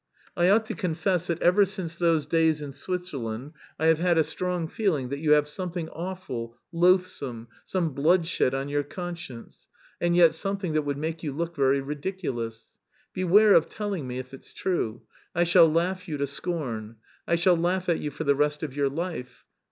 "I ought to confess that ever since those days in Switzerland I have had a strong feeling that you have something awful, loathsome, some bloodshed on your conscience... and yet something that would make you look very ridiculous. Beware of telling me, if it's true: I shall laugh you to scorn. I shall laugh at you for the rest of your life....